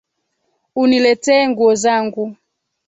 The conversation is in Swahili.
Uniletee nguo zangu